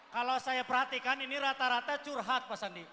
kalau saya perhatikan ini rata rata curhat pak sandi